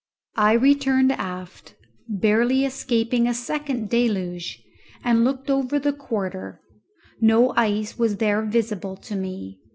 I returned aft, barely escaping a second deluge, and looked over the quarter; no ice was there visible to me.